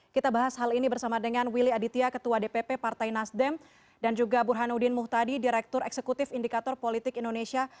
kita bahas hal ini bersama dengan willy aditya ketua dpp partai nasdem dan juga burhanuddin muhtadi direktur eksekutif indikator politik indonesia